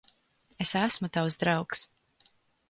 Es esmu tavs draugs.